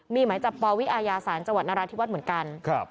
มีหมายจับปวิอาญาศาลจังหวัดนราธิวัฒน์เหมือนกัน